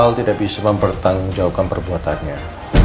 hal tidak bisa mempertanggungjawabkan perbuatannya